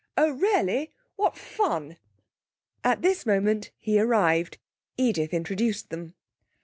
'Oh, really what fun!' At this moment he arrived. Edith introduced them.